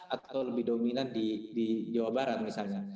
atau lebih dominan di jawa barat misalnya